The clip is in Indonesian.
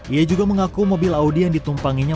ia juga mengaku mobil audi yang ditumpanginya